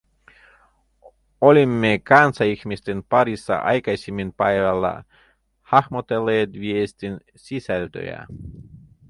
Olimme kanssaihmisten parissa aikaisemmin päivällä hahmotelleet viestin sisältöä.